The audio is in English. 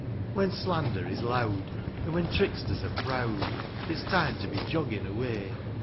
When slander is loud, an' when tricksters are proud, It's time to be joggin' away.